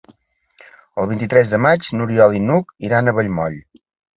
El vint-i-tres de maig n'Oriol i n'Hug iran a Vallmoll.